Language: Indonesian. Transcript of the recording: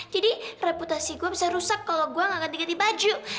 jadi reputasi gue bisa rusak kalau gue gak ganti ganti baju